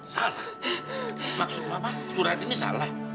salah maksud apa surat ini salah